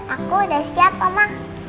aku udah siap mama